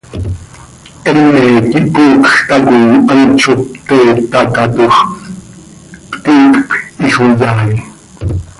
Heme quih coocj tacoi hant zo pte itacaatoj, pti iicp ixoyai.